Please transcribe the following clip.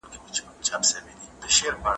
میندواره مېرمنې باید احتیاط وکړي.